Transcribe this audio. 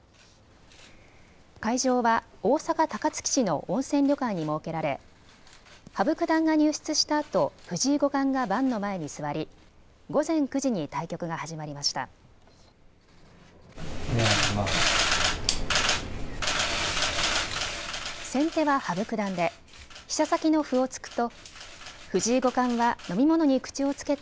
会場は大阪高槻市の温泉旅館に設けられ羽生九段が入室したあと藤井五冠が盤の前に座り午前９時に対局が始まりました。